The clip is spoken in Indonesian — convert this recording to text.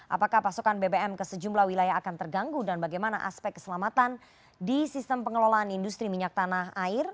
apakah pasokan bbm ke sejumlah wilayah akan terganggu dan bagaimana aspek keselamatan di sistem pengelolaan industri minyak tanah air